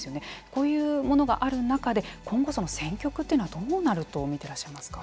こういうものがある中で今後、戦局というのはどうなると見ていらっしゃいますか。